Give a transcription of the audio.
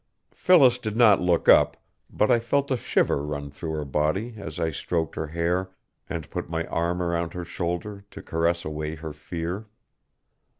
Phyllis did not look up, but I felt a shiver run through her body as I stroked her hair and put my arm around her shoulder to caress away her fear.